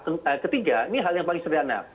dan yang ketiga ini hal yang paling sederhana